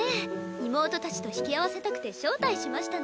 妹たちと引き合わせたくて招待しましたの。